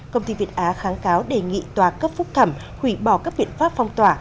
công ty việt á kháng cáo đề nghị tòa cấp phúc thẩm hủy bỏ các biện pháp phong tỏa